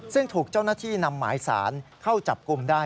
ซึ่งถูกเจ้าหน้าที่นำหมายสารเข้าจับกลุ่มได้